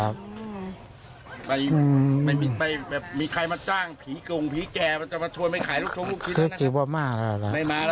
เบาขึ้นหลาย